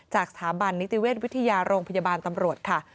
สถาบันนิติเวชวิทยาโรงพยาบาลตำรวจค่ะ